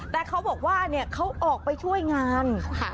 แต่เขาบอกว่าเขาออกไปช่วยงาน